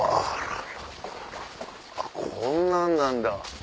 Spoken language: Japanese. こんなんなんだ。